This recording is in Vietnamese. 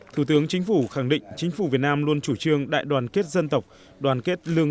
thủ tướng chính phủ khẳng định chính phủ việt nam luôn chủ trương đại đoàn kết dân tộc đoàn kết lương